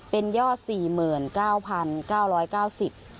เป็นยอด๔๙๙๙๐บาท